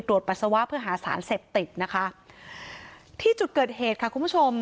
ปัสสาวะเพื่อหาสารเสพติดนะคะที่จุดเกิดเหตุค่ะคุณผู้ชม